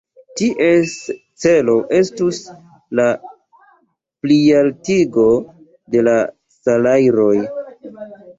Ties celo estus la plialtigo de la salajroj.